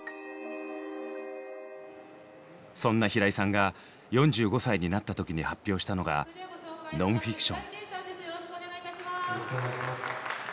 そんな平井さんが４５歳になった時に発表したのが「ノンフィクション」。